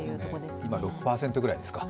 今、６％ぐらいですか。